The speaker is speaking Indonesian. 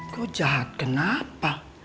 kok jahat kenapa